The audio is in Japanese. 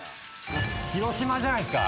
広島じゃないっすか。